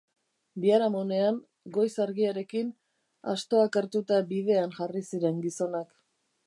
Biharamunean, goiz-argiarekin, astoak hartuta bidean jarri ziren gizonak.